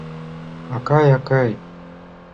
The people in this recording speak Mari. — Акай, акай!